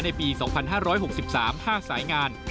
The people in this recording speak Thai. ในปี๒๕๖๓๕สายงาน